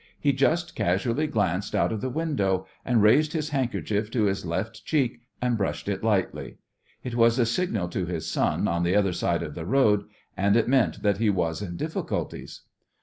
He just casually glanced out of the window, and raised his handkerchief to his left cheek and brushed it lightly. It was a signal to his son on the other side of the road, and it meant that he was in difficulties.